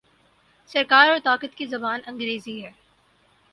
سرکار اور طاقت کی زبان انگریزی ہے۔